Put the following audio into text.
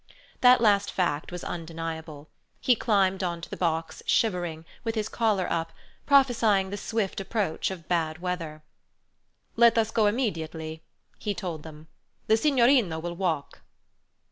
That last fact was undeniable. He climbed on to the box shivering, with his collar up, prophesying the swift approach of bad weather. "Let us go immediately," he told them. "The signorino will walk."